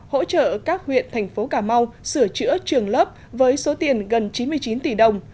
hỗ trợ các huyện thành phố cà mau sửa chữa trường lớp với số tiền gần chín mươi chín tỷ đồng